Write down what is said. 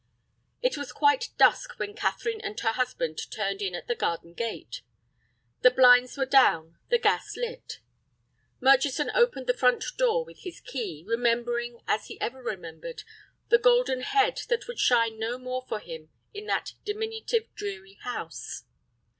It was quite dusk when Catherine and her husband turned in at the garden gate. The blinds were down, the gas lit. Murchison opened the front door with his key, remembering, as he ever remembered, the golden head that would shine no more for him in that diminutive, dreary house.